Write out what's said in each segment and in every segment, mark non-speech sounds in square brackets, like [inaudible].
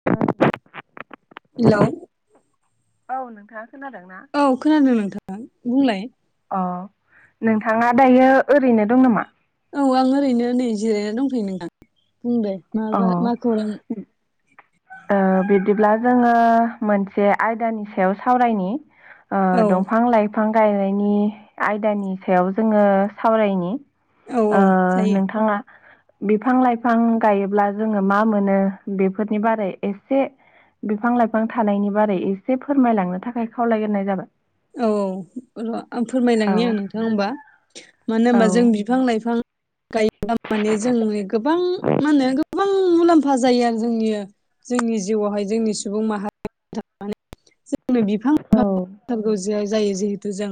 द हेलौ औ नोंथाङा खोनादों ना? औ खोनादों नोंथां बुंलाय। अ नोंथाङा दायो ओरैनो दं नामा? औ आं ओरैनो नै जिरायनानै दंथ'यो नोंथां। बुं दे अ माबा मा खौरां? बिब्दिब्ला जोङो मोनसे आयदानि सायाव सावरायनि ओ औ दंफां लाइफां गायनायनि आयदानि सायाव जोङो सावरायनि। औ औ जायो नोंथाङा बिफां लाइफां गायोब्ला जोङो मा मोनो बेफोरनि बारै एसे बिफां लाइफां थानायनि बारै एसे फोरमायलांनो थाखाय खावलायग्रोनाय जाबाय। औ औ र' आं औ फोरमायलांनि आं नोंथां होमबा मानो औ होनबा जों बिफां लाइफां गायोब्ला माने जोंनि गोबां मा होनो गोबां मुलाम्फा जायो आरो जोंनि जोंनि जिउआवहाय जोंनि सुबुं माहारि जोंनो बिफां औ थारगौ जाय-जायो जिहेतु जों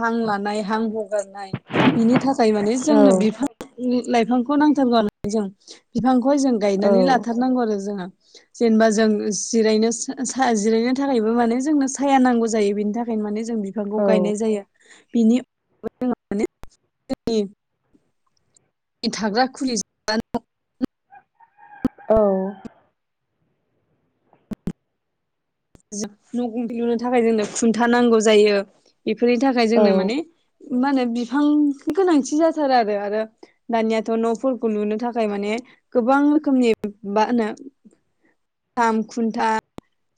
हां लानाय हां हगारनाय बिनि थाखाय माने जोंनो बिफां लाइफांखौ नांथारगौ होननानै जों बिफांखौ जों औ गायनानै लाथारनांगौ आरो जोंहा। जेनेबा जों जिरायनो सा जिरायनो थाखायबो माने जोंनो साया नांगौ जायो। बेनि थाखायनो माने जों बिफांखौ गायनाय औ जायो बिनि [unintelligible] माने जोंनि थाग्रा खुलि [unintelligible] औ न' गुं लुनो थाखाय जोंनो खुन्था नांगौ जायो बेफोरनि थाखाय औ जोंनो माने मा होनो बिफां गोनांथि जाथारो आरो। आरो दानियाथ' न'फोरखौ लुनो थाखाय माने गोबां रोखोमनि मा होनो थाम खुन्था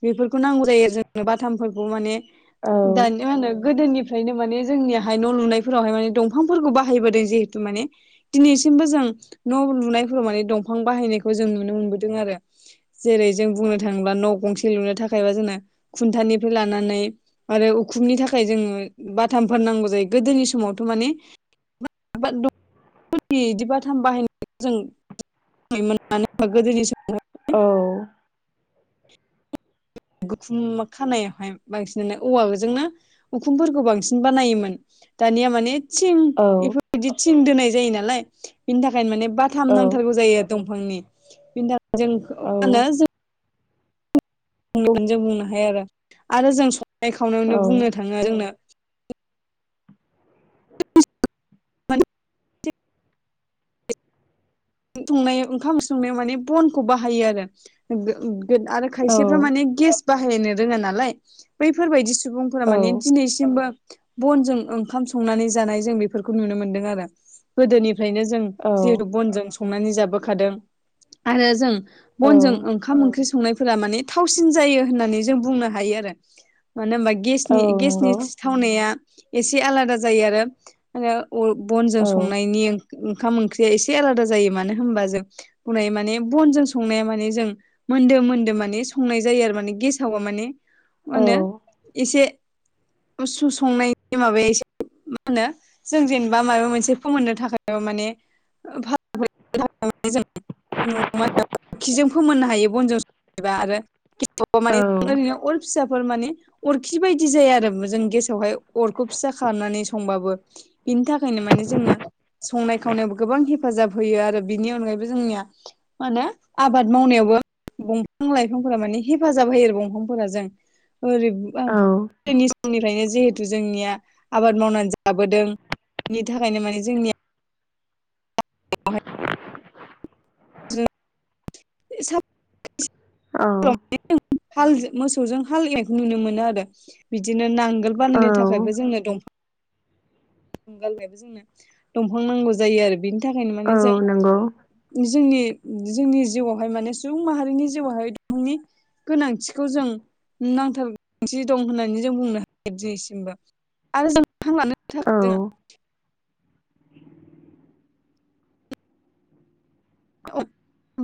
बेफोरखौ नांगौ जायो जोंनो बाथामफोरखौ माने जागोन दानिया मा होनो गोदोनिफ्रायनो माने जोंनियााहाय न' लुनायफोरावहाय माने दंफांफोरखौ बाहायबोदों जिहेतु माने दिनैसिमबो जों न' लुनायफोराव माने दंफां बाहायनायखौ जों नुनो मोनबोदों आरो। जेरै जों बुंनो थाङोब्ला न' गंसे लुनो थाखायबा जोंना खुन्थानिफ्राय लानानै आरो उखुमनि थाखाय जोङो बाथामफोर नांगौ जायो गोदोनि समावथ' माने [unintelligible] [unintelligible] बिदि बाथाम बाहायनायखौ जों मानो होनबा गोदोनि समावहाय औ। गुखुम खानायावहाय बांसिन औवाजोंनो उखुमफोरखौ बांसिन बानायोमोन। दानिया माने थिं बेफोरबायदि थिं दोनाय जायो नालाय बिनि थाखायनो माने बाथाम नांथारगौ जायो आरो। दंफांनि [unintelligible] जों मा होनो बुंनो जों बुंनो हायो आरो आरो जों संनाय खावनायावनो बुंनो थाङो जोंनो [inaudible] [unintelligible] ओंखाम संनायाव माने बनखौ बाहायो आरो गो गोद आरो खायसेफ्रा माने गेस बाहायनो रोङा नालाय बैफोरबायदि सुबुंफोरा माने दिनैसिमबो बनजों ओंखाम संनानै जानाय जों बेफोरखौ नुनो मोनदों आरो गोदोनिफ्रायनो जों जिहुतु बनजों संनानै जाबोखादों आरो जों बनजों ओंखाम ओंख्रि संनाय फोरा माने थावसिन जायो होननानै जों बुंनो हायो आरो। मानो होमबा गेसनि-गेसनि थावनाया एसे आलादा जायो आरो [unintelligible] अ बनजों संनायनि ओंखाम ओंख्रिया एसे आलादा जायो मानो होनबा जों हनै माने बनजों संनाया माने जों मोनदो-मोनदो माने संनाय जायो आरो माने गेसावबा माने मा होनो एसे [unintelligible] संनायनि माबाया एसे मा होनो जों जेनेबा माबा मोनसे फोमोननो थाखाय माने [inaudible] अरखिजों फोमोननो हायो बनजों [unintelligible] आरो माने गेसावबा ओरैनो अर फिसा फोर माने अरखि बायदि जाया आरो जों गेसावहाय अरखौ फिसा खालामनानै संबाबो। बिनि थाखायनो माने जोंनो संनाय खावनायावबो गोबां हेफ हेफाजाब होयो आरो बिनि अनगायैबो जोंनिया मा होनो आबाद मावनायावबो दंफां लाइफांफोरा माने हेफाजाब होयो आरो दंफांफोरा जों ओरै ओ गोदोनि समनिफ्रायनो जेहुथु जोंनिया आबाद मावनानै जाबोदों बेनि थाखायनो माने जोंनिया जों [unintelligible] सा औ। [unintelligible] हाल मोसौजों हाल एवनायखौ नुनो मोनो आरो। बिदिनो नांगोल बानायनो थाखायबो जोंनो दंफां [unintelligible] जोंनो दंफां नांगौ जायो आरो बिनि थाखायनो माने जों जोंनि - जोंनि जिवावहाय माने सुबुं माहारिनि जिवाहाय [unintelligible] गोनांथिखौ जों नांथारथि दं होननानै जों बुंनो हायो दिनैसिमबो। आरो जों हां लानो थाखाय जों [unintelligible]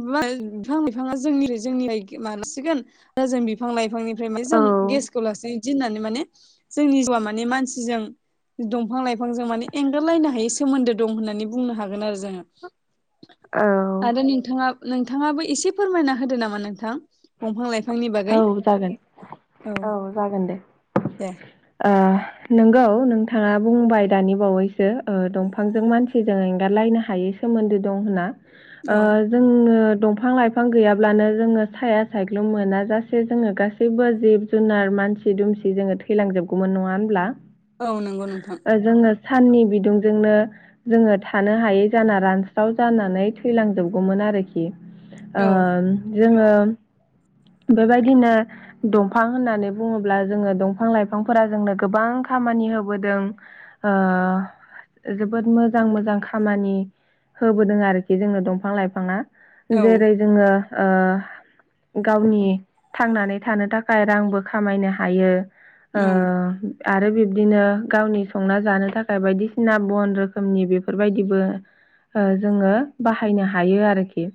बिफां लाइफाङा जोंनि जोंनिलाय गोमालांसिगोन दा जों बिफां लाइफांनि [unintelligible] जों गेसखौ लासै इदि होननानै माने जोंनि जिउआ माने मानसिजों दंफां लाइफांजों माने एंगारलायनो हायै सोमोन्दो दं होननानै बुंनो हागोन आरो जोङो। आरो नोंथाङा नोंथाङाबो एसे फोरमायना होदो नामा नोंथां दंफां लाइफां औ जागोन औ जागोन दे। दे। ओ नंगौ नोंथाङा बुंबाय दानि बावैसो ओ दंफांजों मानसिजों एंगारलायनो हायै सो सोमोन्दो दं होनना। ओ औ जोंनो दंफां लाइफां गैयाब्लानो जोङो साया सायख्लुम मोना। गासै जोङो गासैबो जिब जुनार मानसि दुमसि जोङो थैलांजोबगौमोन नङा होनब्ला? औ नंगौ नोंथां ओ जोङो साननि बिदुंजोंनो जोङो थानो हायै जाना रानस्राव जानानै थैलांजोबगौमोन आरोखि‌। ओ औ जोङो बेबायदिनो दंफां होननानै बुङोब्ला जोङो दंफां लाइफांफोरा जोंनो गोबां खामानि होबोदों। ओ जोबोद मोजां - मोजां खामानि होबोदों आरोखि जोंनो दंफां लाइफाङा। औ जेरै जोङो ओ गावनि थांनानै थानो थाखाय रांबो खामायनो हायो ओ औ आरो बिब्दिनो गावनि संना जानो थाखाय बायदिसिना बन रोखोमनि बेफोरबायदिबो ओ जोङो बाहायनो हायो आरोखि।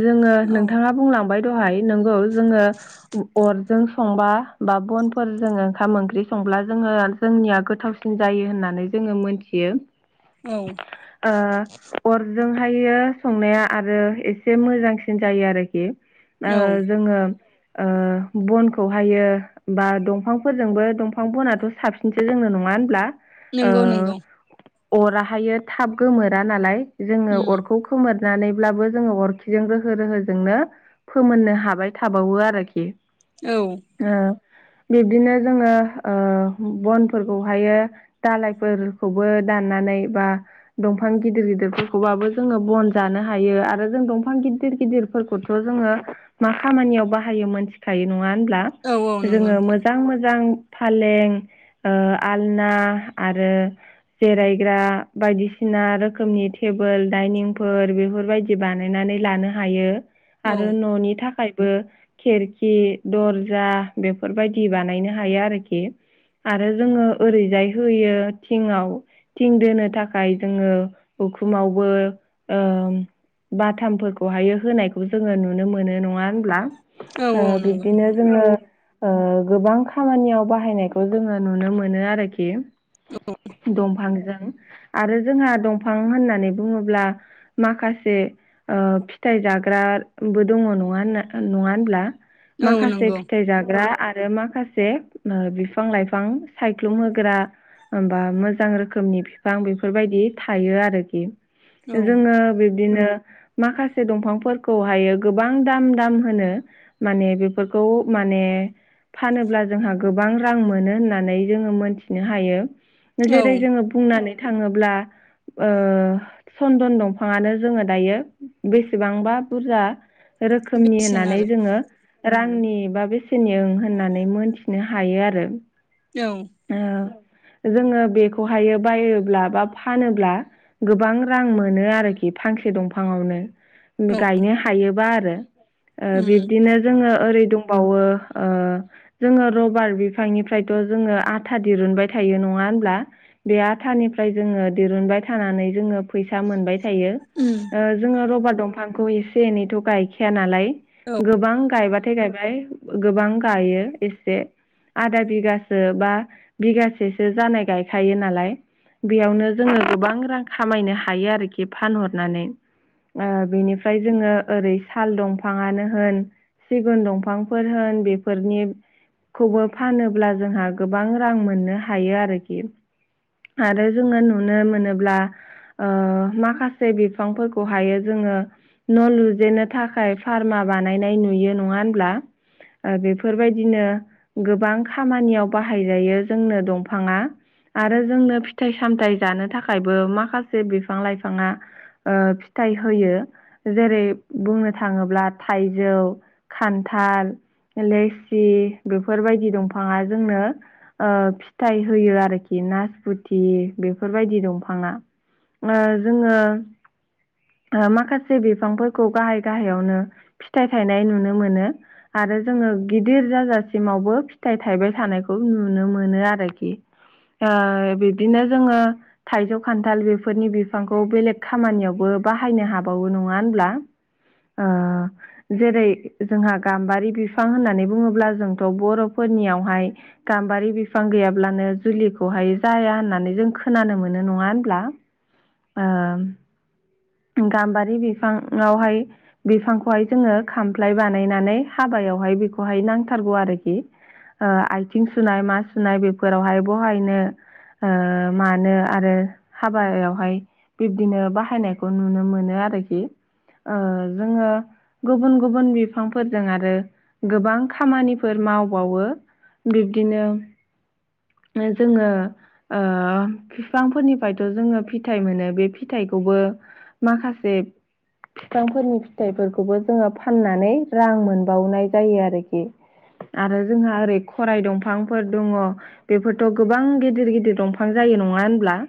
जोङो औ नोंथाङा बुंलांबाय दहाय नोंगौ जोङो अरजों संबा बा बनफोर जों ओंखाम ओंख्रि संब्ला जोङो जोंनिया गोथावसिन न जायो होननानै जोङो मोनथियो। औ। ओ अरजोंहाययो संनाया आरो एसे मोजांसिन जायो आरोखि। ओ औ जोङो ओ‌ बनखौहायो बा दंफांफोरजोंबो दंफां बनाथ' साबसिन [unintelligible] जोंनो नङा होनब्ला नंगौ - ओ नंगौ। अराहायो थाब गोमोरा नालाय जोङो उम अरखौ फोमोरनानैब्लाबो जोङो अरखिजों रोहो रोहोजोंनो फोमोननो हागोन जाबाय थाबावो आरोखि। औ। ओ बिब्दिनो जोङो ओ बनफोरखौहायो दालायफोरखौबो दाननानै बा दंफां गिदिर - गिदिरफोरखौबाबो जोङो बन जानो हायो आरो जों दंफां गिदिर - गिदिर फोरखौथ' जोङो मा खामानियाव बाहायो मोनथिखायो नङा होनब्ला। औ औ नंगौ जोङो नोंथां मोजां - मोजां फालें ओ आलना आरो जिरायग्रा बायदिसिना रोखोमनि टेबोल दाइनिंफोर बेफोरबायदि बानायनानै लानो हायो औ आरो न'नि थाखाय थाखायबो खेरखि, दरजा बेफोरबायदि बानायनो हायो आरोखि। आरो जोङो ओरैजाय होयो थिंआव थिं दोनो थाखाय जोङो उखुमावबो ओ बाथामफोरखौहाय होनायखौ जोङो नुनो मोनो नङा होनब्ला। औ ओ‌ औ नंगौ बिब्दिनो नोंथां जोङो ओ गोबां खामानियाव बाहायनायखौ जोङो नुनो मोनो आरोखि। [unintelligible] माखासे ओ फिथाइ जाग्राबो दङ नङा होनना नङा होनब्ला औ माखासे नंगौ फिथाइ जाग्रा आरो माखासे जे ओ बिफां - लाइफां सायख्लुम होग्रा। होमबा मोजां रोखोमनि बिफां बेफोरबायदि थायो आरोखि। औ जोङो बिब्दिनो माखासे दंफांफोरखौहायो गोबां दाम - दाम होनो माने बेफोरखौ माने फानोब्ला जोंहा गोबां रां मोनो होननानै जोङो मोनथिनो हायो औ जेरै जोङो बुंनानै थाङोब्ला ओ सन्दन दंफाङानो जोङो दायो बेसेबांबा बुरजा रोखोमनि बेसेन होननानै आरो जोङो रांनि बा बेसेनि ओं होननानै मोनथिनो हायो आरो। औ। ओ जोङो बेखौहायो बायोब्ला बा फानोब्ला गोबां रां मोनो आरोखि फांसे दंफाङावनो औ गायनो हायोबा आरो। ओ उम बिबदिनो जोङो ओरै दंबावो ओ जोङो रबार बिफांनिफ्रायथ' जोङो आथा दिरुनबाय थायो नङा होनब्ला। बे आथानिफ्राय जोङो दिरुनबाय थानानै जोङो फैसा मोनबाय थायो। उम ओ जोङो रबार दंफांखौ एसे एनैथ' गायखाया नालाय। औ गोबां गायबाथाय गायबाय गोबां गायो एसे आदा बिगासो बा बिगासेसो जानाय गायखायो नालाय। बेयावनो जोङो गोबां रां खामायनो हायो आरोखि फानहरनानै। ओ बेनिफ्राय जोङो ओरै साल दं फाङानो होन सिगुन दंफांफोर होन बेफोरनि खौबो फानोब्ला जोंहा गोबां रां मोननो हायो आरोखि। आरो जोंना नुनो मोनोब्ला ओ माखासे बिफांफोरखौ हायो जोङो न' लुजेनो थाखाय फारमा बानायनाय नुयो नङा होनब्ला? ओ बेफोरबायदिनो गोबां खामानियाव बाहायजायो जोंनो दंफाङा। आरो जोंनो फिथाइ सामथायाइ जानो थाखायबो माखासे बिफां लाइफाङा ओ फिथाइ होयो। जेरै बुंनो थाङोब्ला थाइजौ खान्थाल, लेसि बेफोरबायदि दंफाङा जोंनो ओ फिथाइ होयो आरोखि नासपुथि बेफोरबायदि दंफाङा। ओ जोङो ओ माखासे बिफांफोरखौ गाहाय गाहायावनो फिथाइ थायनाय नुनो मोनो। आरो जोङो गिदिर जाजासिमावबो फिथाइ थायबाय थानायखौ नुनो मोनो आरोखि। आ बिबदिनो जोङो थाइजौ, खान्थाल बेफोरनि बिफांखौ बेलेग खामानियावबो बाहायनो हाबावो नङा होनब्ला? ओ जेरै जोंहा गाम्बारि बिफां होननानै बुङोब्ला जोंथ' बर'फोरनियावहाय गाम्बारि बिफां गैयाब्लानो जुलिखौहाय जाया होननानै जों खोनानो मोनो नङा होनब्ला? ओम गाम्बारि बिफाङावहाय बिफांखौहाय जोङो खामफ्लाय बानायनानै हाबायावहाय बेखौहाय नांथारगौ आरोखि। ओ आथिं सुनाय मा सुनाय बेफोरावहाय बहायनो। ओ मानो आरो हाबायावहाय बिब्दिनो बाहायनाय बो नुनो मोनो आरोखि। ओ जोङो गुबुन गुबुन बिफांफोरजों आरो गोबां खामानिफोर मावबावो। बिब्दिनो ओ जोङो ओ फिफांफोरनिफ्रायथ' जोङो फिथाइ मोनो बे फिथाइखौबो माखासे फिफांफोरनि फिथाइफोरखौबो जोङो फाननानै रां मोनबावनाय जायो आरोखि। आरो जोंहा ओरै खराय दंफांफोर दङ। बेफोरथ' गोबां गेदेर गेदेर दंफां जायो नङा होनब्ला?